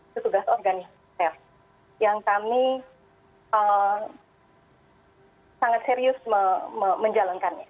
ketugas organis yang kami sangat serius menjalankannya